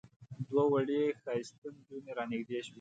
دوه وړې ښایسته نجونې را نږدې شوې.